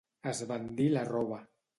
Esbandir la roba.